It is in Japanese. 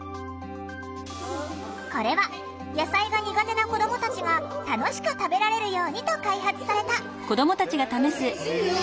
これは野菜が苦手な子どもたちが楽しく食べられるようにと開発された。